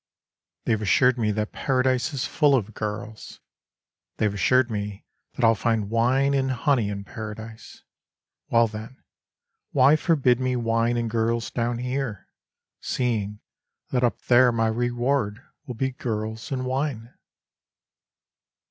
THEY'VE assured me that Paradise is full of girls, They've assured me that I'll find wine and honey in Paradise. Well then, why forbid me wine and girls down here, Seeing that up there my reward will be girls and wine